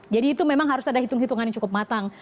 jadi itu memang harus ada hitung hitungan yang cukup matang